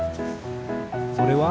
それは？